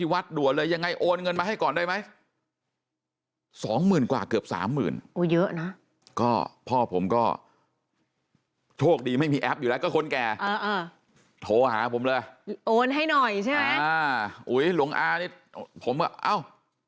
อุ๊ยหลวงอ้านี่ผมก็เอ้า